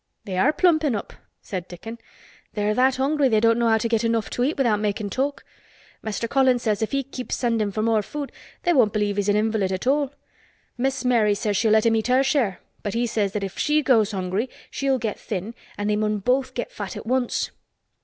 "They are plumpin' up," said Dickon. "They're that hungry they don't know how to get enough to eat without makin' talk. Mester Colin says if he keeps sendin' for more food they won't believe he's an invalid at all. Miss Mary says she'll let him eat her share, but he says that if she goes hungry she'll get thin an' they mun both get fat at once."